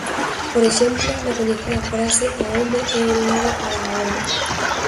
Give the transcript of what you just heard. Por exemplo, na coñecida frase "O home é un lobo para o home".